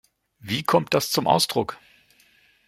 Wie kommt das zum Ausdruck?